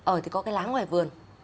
ở thì có cái lá ngoài vườn